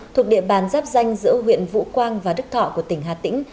thuộc địa bàn giáp danh giữa huyện vũ quang và đức thọ của tỉnh hà tĩnh